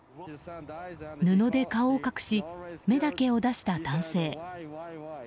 布で顔を隠し目だけを出した男性。